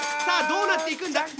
さあどうなっていくんだ？